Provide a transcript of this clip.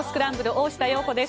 大下容子です。